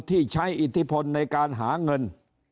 ที่ใช้อิทธิพลในการหาเงิน